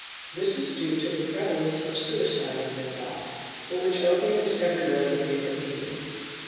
This is due to the prevalence of suicide in Bengal, for which opium is everywhere the favourite medium.